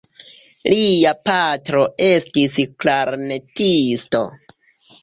Lia patro estis klarnetisto.